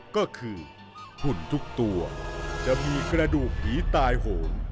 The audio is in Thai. ก็คือหุ่นทุกตัวจะมีกระดูกผีตายโหง